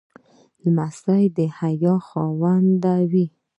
لمسی د حیا خاوند وي.